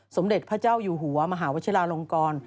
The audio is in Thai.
สมเด็จพระเจ้าอยฮวมาหาวิชลานงกร